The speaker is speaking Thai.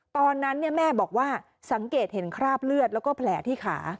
ตอนนั้นแม่บอกว่าสังเกตเห็นคราบเลือดแล้วก็แผลที่ขา